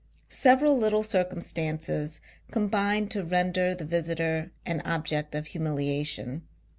Several little circumstances combine to render the visitor an object of humiliation.